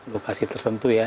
lokasi tertentu ya